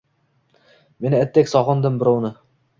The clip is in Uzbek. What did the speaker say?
Men itdek sogʻindim birovni